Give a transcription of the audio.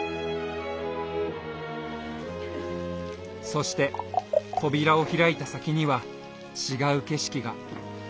そして扉を開いた先には違う景色が。